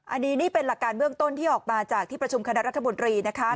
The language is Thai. อันนี้นี่เป็นหลักการเบื้องต้นที่ออกมาจากที่ประชุมคณะรัฐมนตรีนะคะ